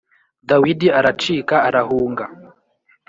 Dawidi aracika arahunga